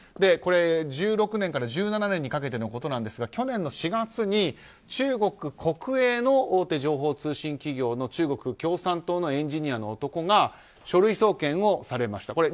これ、１６年から１７年にかけてのことですが去年の４月に中国国営の大手情報通信企業の中国共産党のエンジニアの男が書類送検されました。